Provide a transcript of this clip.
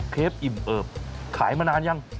เคฟอิ่มเอิบขายมานานยัง